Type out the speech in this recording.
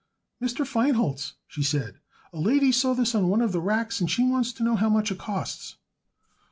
"Mr. Feinholz," she said, "a lady saw this on one of the racks and she wants to know how much it costs."